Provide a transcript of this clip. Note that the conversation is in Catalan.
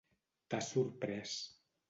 T'has sorprès.